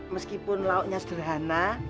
meskipun lauknya sederhana